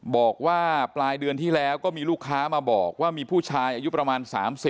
บอกว่าปลายเดือนที่แล้วก็มีลูกค้ามาบอกว่ามีผู้ชายอายุประมาณ๓๐